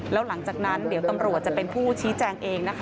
แล้วหลังจากนั้นเดี๋ยวตำรวจจะเป็นผู้ชี้แจงเองนะคะ